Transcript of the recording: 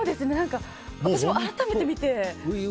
私も改めて見て。